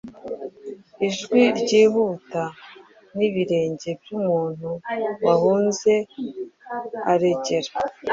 Ijwi ryihuta, n'ibirenge by'umuntu wahunze, aregera